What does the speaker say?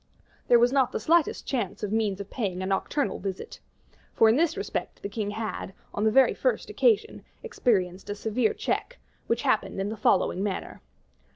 There was not the slightest chance of means of paying a nocturnal visit; for in this respect the king had, on the very first occasion, experienced a severe check, which happened in the following manner.